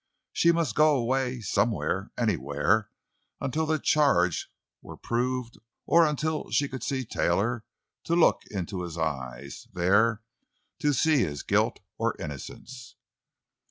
She must go away somewhere—anywhere, until the charge were proved, or until she could see Taylor, to look into his eyes, there to see his guilt or innocence.